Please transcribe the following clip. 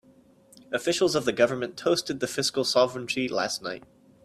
Officials of the government toasted the fiscal sovereignty last night.